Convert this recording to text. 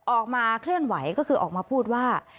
ออกมาเคลื่อนไหวก็คือออกมาพูดว่า